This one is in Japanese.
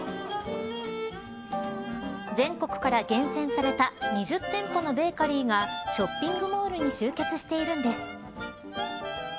全国から厳選された２０店舗のベーカリーがショッピングモールに集結しているんです。